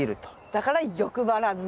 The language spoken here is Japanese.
だから欲張らない。